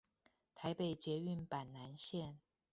臺北捷運板南線